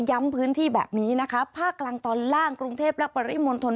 ย้ำพื้นที่แบบนี้นะคะภาคกลางตอนล่างกรุงเทพและปริมณฑล